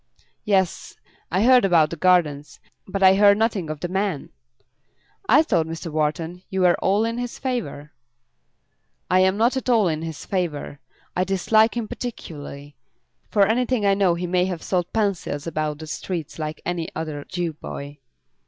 "Yes; I heard about the Gardens. But I heard nothing of the man." "I thought, Mr. Wharton, you were all in his favour." "I am not at all in his favour. I dislike him particularly. For anything I know he may have sold pencils about the streets like any other Jew boy."